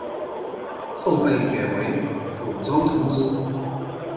后被贬为蒲州同知。